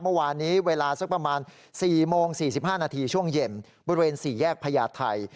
เมื่อวานนี้เวลาสักประมาณ๔โมง๔๕นาทีช่วงเย็นบริเวณ๔แยกพญาไทย